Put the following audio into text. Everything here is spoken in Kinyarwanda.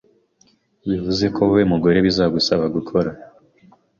bivuze ko wowe mugore bizagusaba gukora